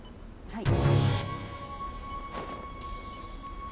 はい。